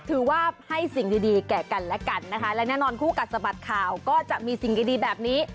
ถือว่าให้สิ่งดีแก่กันและกันนะคะและแน่นอนคู่กัดสะบัดข่าวก็จะมีสิ่งดีแบบนี้